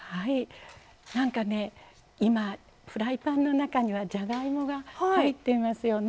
なんかね、今フライパンの中にはじゃがいもが入ってますよね。